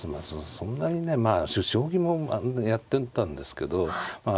そんなにねまあ将棋もやってたんですけどまあ